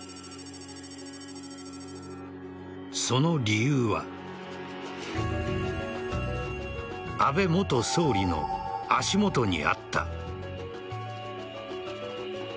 その理由は安倍元総理の足元にあった。